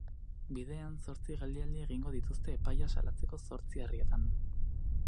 Bidean zortzi geldialdi egingo dituzte epaia salatzeko zortzi herrietan.